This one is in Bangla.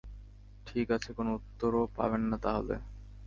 ঠিক আছে, কোনো উত্তরও পাবেন না তাহলে।